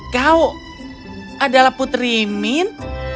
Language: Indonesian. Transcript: kau adalah putri min